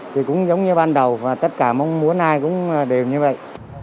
thì cũng giống như ban đầu và tất cả mong muốn ai cũng đều như vậy